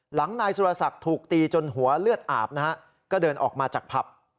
นายสุรศักดิ์ถูกตีจนหัวเลือดอาบนะฮะก็เดินออกมาจากผับ